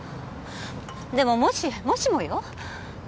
でももしもしもよ。